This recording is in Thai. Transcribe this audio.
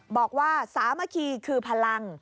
บอกว่าสามัคคีคือพลัง